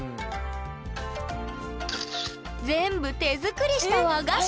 全部手作りした和菓子！